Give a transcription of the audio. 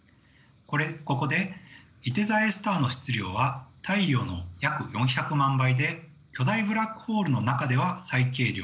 ここでいて座Ａスターの質量は太陽の約４００万倍で巨大ブラックホールの中では最軽量。